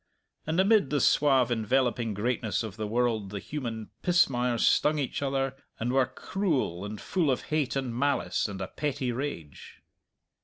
And amid the suave enveloping greatness of the world the human pismires stung each other and were cruel, and full of hate and malice and a petty rage.